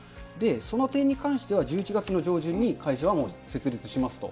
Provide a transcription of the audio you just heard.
その点に関しては、１１月の上旬に会社はもう設立しますと。